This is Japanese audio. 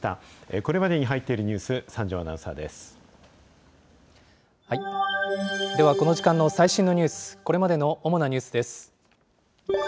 これまでに入っているニュース、ではこの時間の最新のニュース、これまでの主なニュースです。